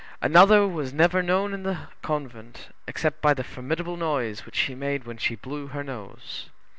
Another was never known in the convent except by the formidable noise which she made when she blew her nose.